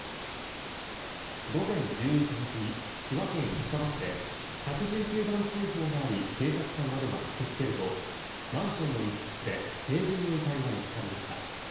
午前１１時過ぎ千葉県市川市で１１９番通報があり警察官などが駆け付けるとマンションの一室で成人の遺体が見つかりました。